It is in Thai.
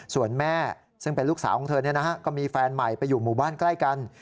ส่วนแม่ซึ่งเป็นลูกสาวของเธอก็มีแฟนใหม่ไปอยู่หมู่บ้านใกล้กัน